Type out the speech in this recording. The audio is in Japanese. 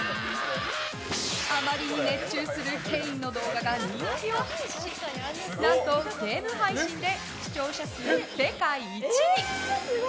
あまりに熱中するケインの動画が人気を博し何と、ゲーム配信で視聴者数世界一に。